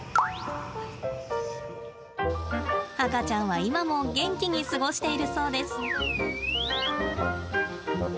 赤ちゃんは今も元気に過ごしているそうです。